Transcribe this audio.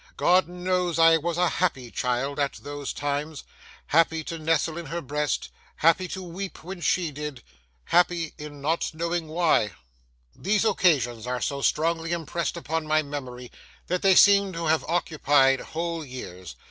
God knows I was a happy child at those times,—happy to nestle in her breast,—happy to weep when she did,—happy in not knowing why. These occasions are so strongly impressed upon my memory, that they seem to have occupied whole years.